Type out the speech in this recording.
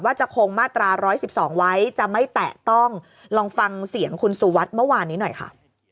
จะคงมาตรา๑๑๒ไว้จะไม่แตะต้องลองฟังเสียงคุณสุวัสดิ์เมื่อวานนี้หน่อยค่ะ